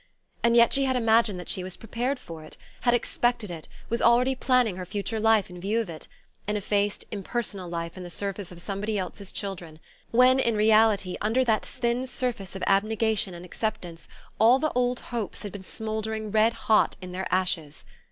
And yet she had imagined she was prepared for it, had expected it, was already planning her future life in view of it an effaced impersonal life in the service of somebody else's children when, in reality, under that thin surface of abnegation and acceptance, all the old hopes had been smouldering red hot in their ashes!